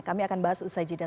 kami akan bahas usai jeda